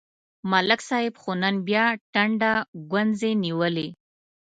ملک صاحب خو نن بیا ټنډه گونځې نیولې